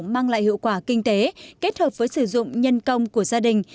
mang lại hiệu quả kinh tế kết hợp với sử dụng nhân công của gia đình